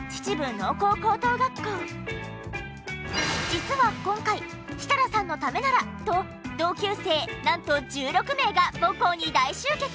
実は今回設楽さんのためならと同級生なんと１６名が母校に大集結！